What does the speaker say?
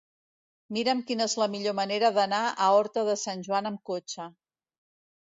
Mira'm quina és la millor manera d'anar a Horta de Sant Joan amb cotxe.